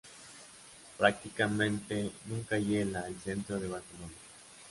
Prácticamente nunca hiela el centro de Barcelona.